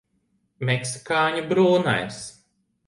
Meksikāņu brūnais.